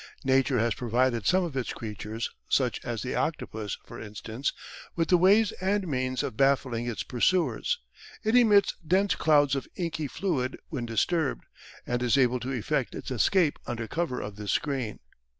Nature has provided some of its creatures, such as the octopus, for instance, with the ways and means of baffling its pursuers. It emits dense clouds of inky fluid when disturbed, and is able to effect its escape under cover of this screen.